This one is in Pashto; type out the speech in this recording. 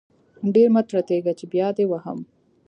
ډير مه ټرتيږه چې بيا دې وهم.